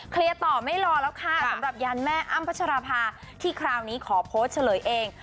ต่อไม่รอแล้วค่ะสำหรับยานแม่อ้ำพัชราภาที่คราวนี้ขอโพสต์เฉลยเอง